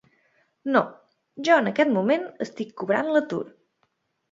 No, jo en aquest moment estic cobrant l’atur.